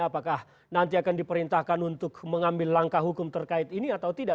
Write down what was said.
apakah nanti akan diperintahkan untuk mengambil langkah hukum terkait ini atau tidak